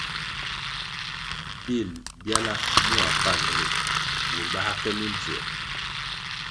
Pil byala mua panʼ ri, burʼ bā ke mimpfū.